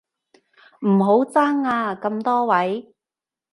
唔好爭啊咁多位